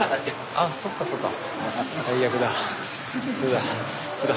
あそっかそっか。